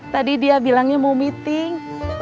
tadi dia bilangnya mau meeting